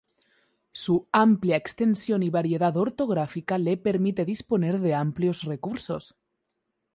Su amplia extensión y variedad orográfica le permite disponer de amplios recursos.